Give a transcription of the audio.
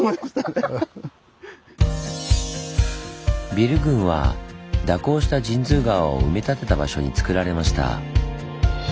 ビル群は蛇行した神通川を埋め立てた場所につくられました。